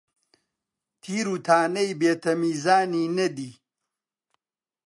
تیر و تانەی بێ تەمیزانی نەدی،